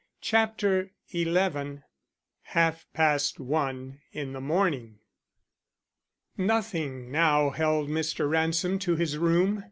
CHAPTER XI HALF PAST ONE IN THE MORNING Nothing now held Mr. Ransom to his room.